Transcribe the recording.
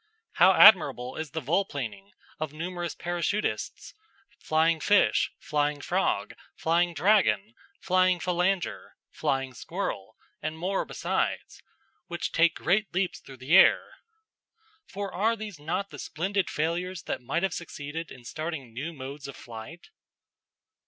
How admirable is the volplaning of numerous parachutists "flying fish," "flying frog," "flying dragon," "flying phalanger," "flying squirrel," and more besides, which take great leaps through the air. For are these not the splendid failures that might have succeeded in starting new modes of flight?